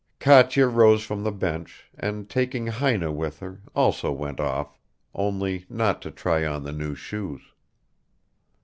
Katya rose from the bench, and taking Heine with her, also went off only not to try on the new shoes.